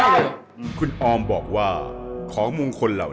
เหมือนเล็บแต่ของห้องเหมือนเล็บตลอดเวลา